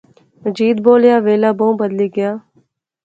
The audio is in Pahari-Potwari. مجید بولیا ویلا بہوں بدلی گیا